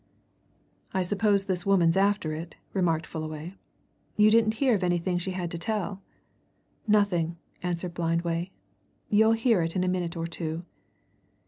"I suppose this woman's after it," remarked Fullaway. "You didn't hear of anything she had to tell?" "Nothing," answered Blindway. "You'll hear it in a minute or two."